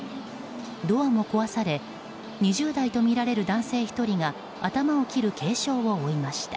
ドアも壊され２０代とみられる男性１人が頭を切る軽傷を負いました。